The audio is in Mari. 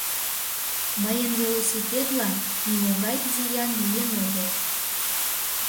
Мыйын велосипедлан нимогай зиян лийын огыл.